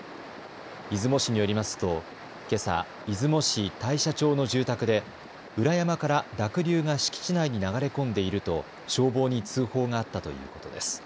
出雲市によりますと、けさ出雲市大社町の住宅で裏山から濁流が敷地内に流れ込んでいると消防に通報があったということです。